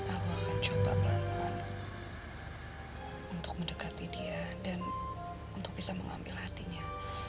aku akan coba pelan pelan untuk mendekati dia dan untuk bisa mengambil hatinya